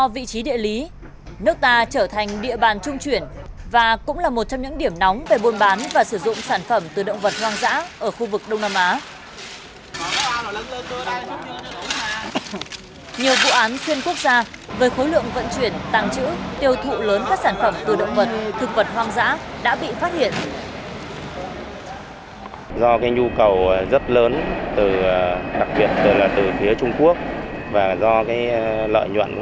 vì vậy sử dụng các sản phẩm từ động vật hoang dã là tiếp tay cho nạn buôn lậu